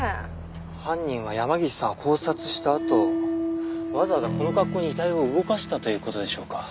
犯人は山岸さんを絞殺したあとわざわざこの格好に遺体を動かしたという事でしょうか？